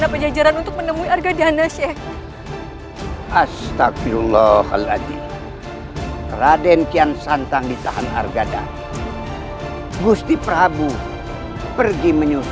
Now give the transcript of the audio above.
biarkan gusti rabu